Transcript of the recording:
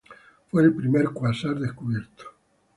Fue el primer cuásar descubierto.